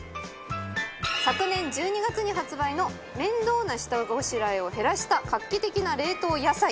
昨年１２月に発売の面倒な下ごしらえを減らした画期的な冷凍野菜。